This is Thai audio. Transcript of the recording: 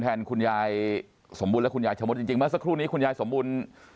คุณยายสมบูรณ์และคุณยายชะมดจริงเมื่อสักครู่นี้คุณยายสมบูรณ์